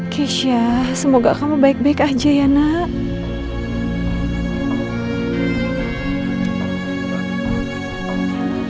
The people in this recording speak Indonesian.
kisha semoga kamu baik baik aja ya nak